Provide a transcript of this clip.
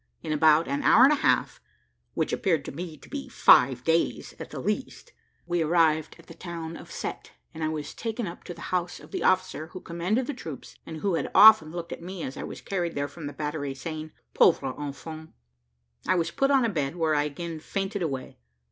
In about an hour and a half, which appeared to me to be five days at the least, we arrived at the town of Cette, and I was taken up to the house of the officer who commanded the troops, and who had often looked at me as I was carried there from the battery, saying, "Pauvre enfant!" I was put on a bed, where I again fainted away.